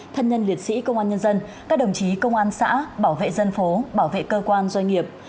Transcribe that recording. thân nhân liệt sĩ công an nhân dân các đồng chí công an xã bảo vệ dân phố bảo vệ cơ quan doanh nghiệp